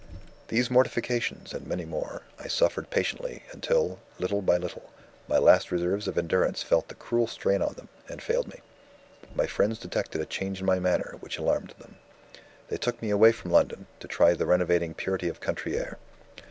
"These mortifications, and many more, I suffered patiently until, little by little, my last reserves of endurance felt the cruel strain on them, and failed me. My friends detected a change in my manner which alarmed them. They took me away from London, to try the renovating purity of country air.